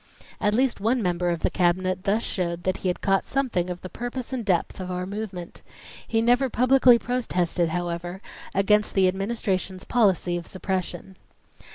At least one member of the Cabinet thus showed that he had caught something of the purpose and depth of our movement. He never publicly protested, however, against the Administration's policy of suppression.